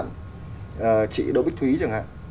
như là chị đỗ bích thúy chẳng hạn